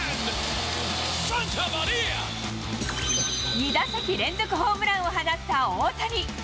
２打席連続ホームランを放った大谷。